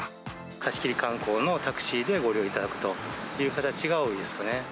貸し切り観光のタクシーでご利用いただくという形が多いです